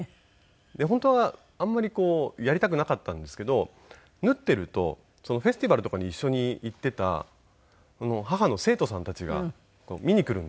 本当はあんまりやりたくなかったんですけど縫っているとそのフェスティバルとかに一緒に行っていた母の生徒さんたちが見に来るんですよね。